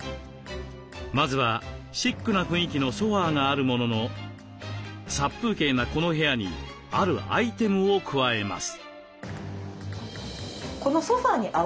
まずはシックな雰囲気のソファーがあるものの殺風景なこの部屋にあるアイテムを加えます。